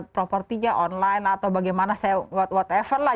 jadi ibaratnya propertinya online atau bagaimana saya whatever lah